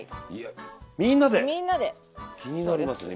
気になりますね